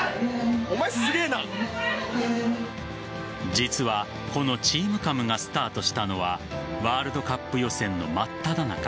実はこのＴｅａｍＣａｍがスタートしたのはワールドカップ予選のまっただ中。